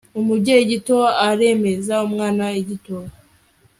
umubyeyi gito aremaza umwana igituba